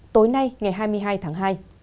tối nay ngày hai mươi hai tháng hai